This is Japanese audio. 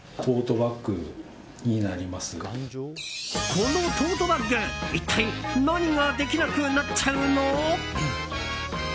このトートバッグ一体何ができなくなっちゃうの？